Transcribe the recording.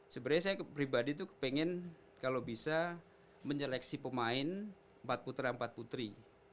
sebenarnya saya pribadi tuh pengen kalau bisa menyeleksi pemain empat putra empat putri